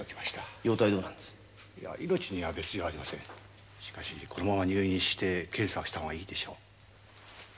しかしこのまま入院して検査をした方がいいでしょう。